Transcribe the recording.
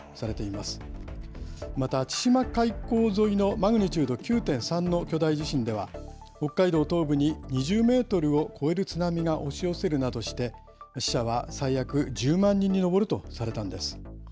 また、千島海溝沿いのマグニチュード９．３の巨大地震では、北海道東部に２０メートルを超える津波が押し寄せるなどして、死者は最悪１０万人に上るとされたんです。